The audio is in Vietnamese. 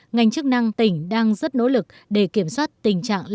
ngành chức năng tỉnh đang rất nỗ lực để kiểm soát tình trạng lây lan dịch bệnh